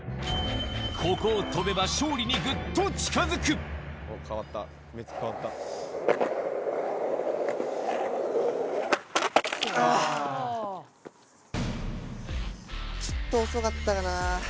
ここを跳べば勝利にぐっと近ちょっと遅かったかな。